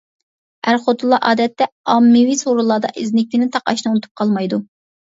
ئەر خوتۇنلار ئادەتتە ئاممىۋى سورۇنلاردا ئىزنىكىنى تاقاشنى ئۇنتۇپ قالمايدۇ.